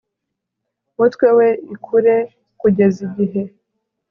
mutwe we ikure kugeza igihe